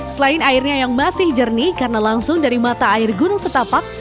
selain airnya yang masih jernih karena langsung dari mata air gunung setapak